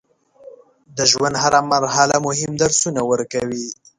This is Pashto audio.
د ژوند هره مرحله مهم درسونه ورکوي.